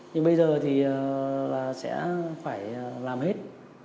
nhưng bây giờ thì sẽ phải làm hết